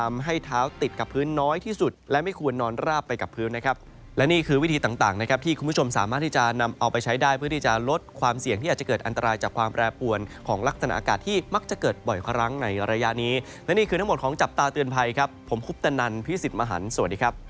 มือน้อยที่สุดและไม่ควรนอนราบไปกับพื้นนะครับและนี่คือวิธีต่างต่างนะครับที่คุณผู้ชมสามารถที่จะนำเอาไปใช้ได้เพื่อที่จะลดความเสี่ยงที่อาจจะเกิดอันตรายจากความแปรปวนของลักษณะอากาศที่มักจะเกิดบ่อยคล้างในระยะนี้และนี่คือทั้งหมดของจับตาเตือนภัยครับผมคุพธนันทร์พี่สิทธิ์มหันสว